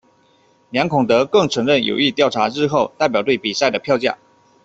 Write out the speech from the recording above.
梁孔德更承认有意调整日后代表队比赛的票价。